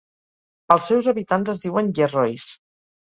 Els seus habitants es diuen "Yerrois".